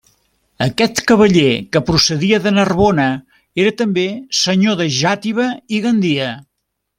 Aquest cavaller que procedia de Narbona era també senyor de Xàtiva i Gandia.